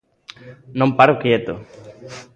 Non paro quieto.